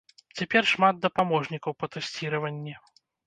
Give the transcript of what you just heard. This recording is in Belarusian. Цяпер шмат дапаможнікаў па тэсціраванні.